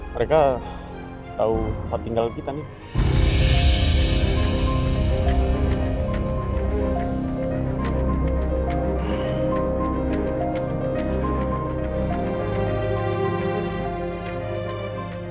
mereka tau apa tinggal kita nih